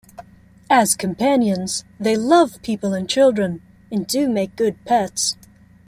As companions, they love people and children and do make good pets.